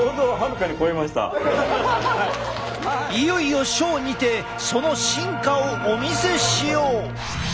いよいよショーにてその真価をお見せしよう！